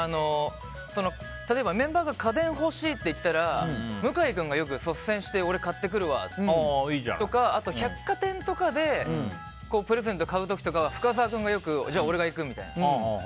例えば、メンバーが家電欲しいって言ったら向井君が率先して俺買ってくるわとか百貨店とかでプレゼントを買う時とかは深澤君がよくじゃあ、俺が行くみたいな。